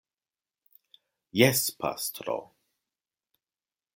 Jes, pastro.